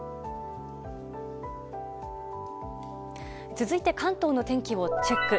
続いて関東の天気をチェック。